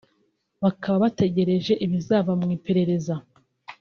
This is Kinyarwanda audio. bakaba bategereje ibizava mu iperereza